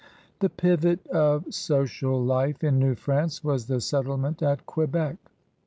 The pivot of social life in New France was the settlement at Quebec.